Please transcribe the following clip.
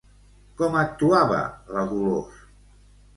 Com actuava la Dolors?